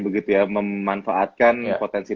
begitu ya memanfaatkan potensi